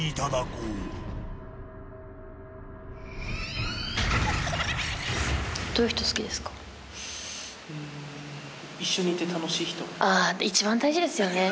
うん一緒にいて楽しい人ああ一番大事ですよね